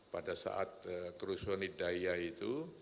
pada saat kerusuhan hidayah itu